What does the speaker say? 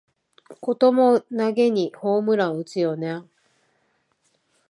こともなげにホームラン打つよなあ